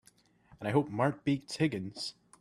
And I hope Mark beats Higgins!